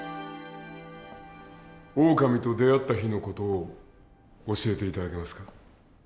オオカミと出会った日の事を教えて頂けますか？